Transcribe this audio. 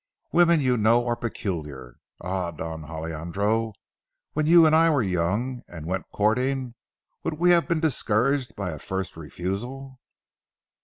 Women, you know, are peculiar. Ah, Don Alejandro, when you and I were young and went courting, would we have been discouraged by a first refusal?"